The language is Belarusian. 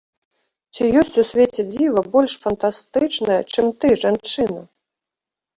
Ці ёсць у свеце дзіва больш фантастычнае, чым ты, жанчына!